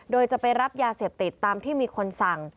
โดยจะไปรับยาเสพติดตามที่มีคนสั่ง